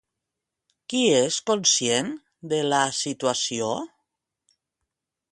Qui és conscient de la situació?